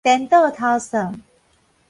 顛倒頭算